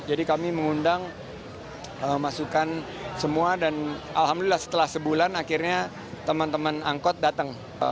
jadi kami mengundang masukan semua dan alhamdulillah setelah sebulan akhirnya teman teman angkut datang